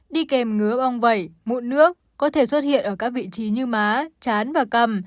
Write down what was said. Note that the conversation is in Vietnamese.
đi kèm ngứa bong vẩy mụn nước có thể xuất hiện ở các vị trí như má chán và cầm